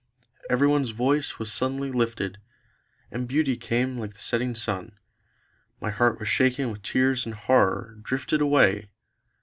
Everyone's voice was suddenly lifted, And beauty came like the setting sun. My heart was shaken with tears and horror Drifted away